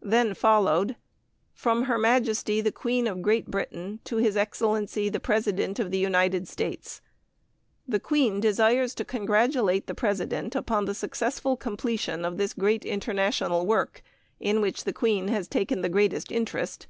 Then followed: From her Majesty the Queen of Great Britain to his Excellency the President of the United States: The Queen desires to congratulate the President upon the successful completion of this great international work, in which the Queen has taken the greatest interest.